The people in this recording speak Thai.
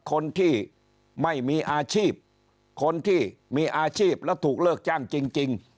คนที่ไม่มีอาชีพคนที่มีอาชีพแล้วถูกเลิกจ้างจริง